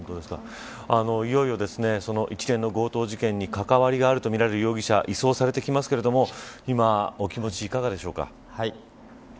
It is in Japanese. いよいよ、一連の強盗事件に関わりがあるとみられる容疑者移送されてきますけれども今、お気持ちいかがですか。